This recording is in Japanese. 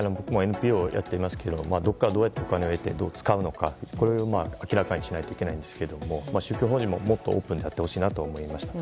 僕もＮＰＯやっていますけどどこからどうやってお金を得てどう使うかを明らかにしなければいけないんですが宗教法人も、もっとオープンになってほしいなと思いました。